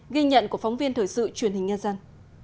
ghi nhận của phóng viên thời sự truyền hình nhân dân